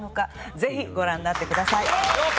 ぜひご覧になってください。